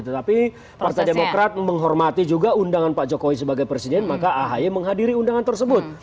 tetapi partai demokrat menghormati juga undangan pak jokowi sebagai presiden maka ahy menghadiri undangan tersebut